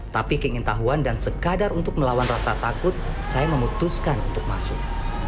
tapi keingin tahuan dan sekadar untuk melawan rasa takut saya memutuskan untuk masuk